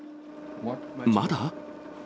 まだ？